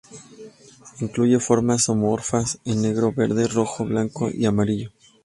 Incluye formas zoomorfas en negro, verde, rojo, blanco y amarillo.